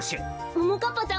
ももかっぱちゃん